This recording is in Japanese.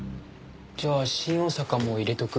じゃあ新大阪も入れとく？